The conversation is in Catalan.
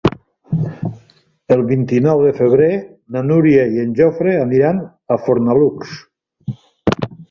El vint-i-nou de febrer na Núria i en Jofre iran a Fornalutx.